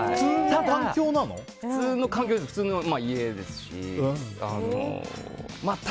普通の環境で、普通の家でした。